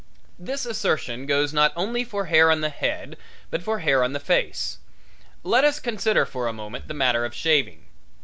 This assertion goes not only for hair on the head but for hair on the face. Let us consider for a moment the matter of shaving.